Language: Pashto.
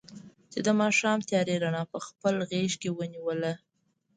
چې د ماښام تیارې رڼا په خپل غېږ کې ونیوله.